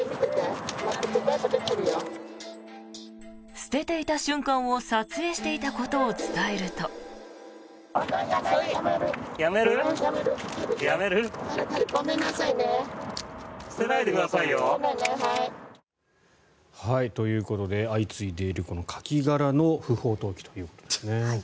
捨てていた瞬間を撮影していたことを伝えると。ということで相次いでいるカキ殻の不法投棄ということですね。